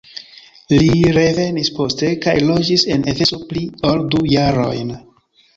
Li revenis poste kaj loĝis en Efeso pli ol du jarojn.